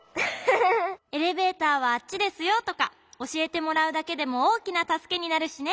「エレベーターはあっちですよ」とかおしえてもらうだけでもおおきなたすけになるしね。